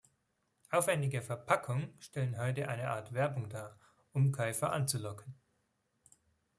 Aufwendige Verpackungen stellen heute eine Art Werbung dar, um Käufer anzulocken.